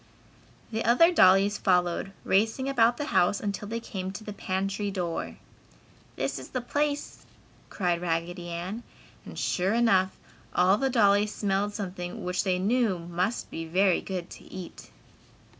The other dollies followed, racing about the house until they came to the pantry door. "This is the place!" cried Raggedy Ann, and sure enough, all the dollies smelled something which they knew must be very good to eat.